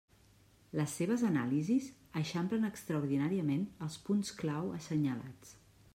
Les seves anàlisis eixamplen extraordinàriament els punts clau assenyalats.